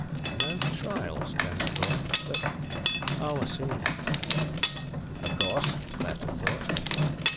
"No trials?" Jonas thought. "But ... oh. I see." "Of course," Claerten thought.